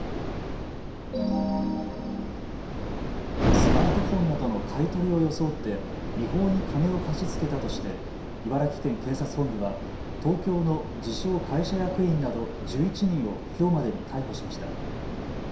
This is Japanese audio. スマートフォンなどの買い取りを装って違法に金を貸し付けたとして茨城県警察本部は東京の自称・会社役員など１１人をきょうまでに逮捕しました。